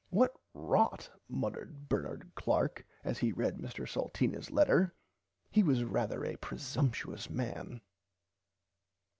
What rot muttered Bernard Clark as he read Mr Salteenas letter. He was rarther a presumshious man.